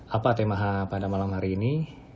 apa tema pada malam hari ini